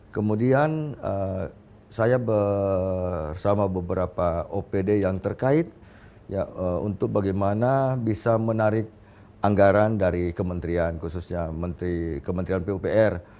kemudian saya bersama beberapa opd yang terkait untuk bagaimana bisa menarik anggaran dari kementerian khususnya kementerian pupr